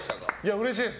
うれしいです。